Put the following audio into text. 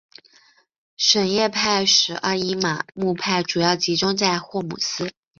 什叶派十二伊玛目派主要集中在霍姆斯。